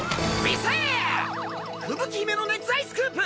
ふぶき姫の熱愛スクープ！